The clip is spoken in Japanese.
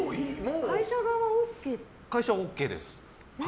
会社はＯＫです。